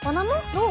どう？